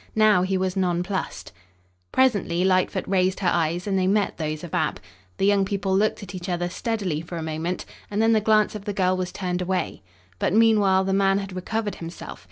Now he was nonplussed. Presently Lightfoot raised her eyes and they met those of Ab. The young people looked at each other steadily for a moment and then the glance of the girl was turned away. But, meanwhile, the man had recovered himself.